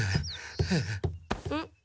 ん？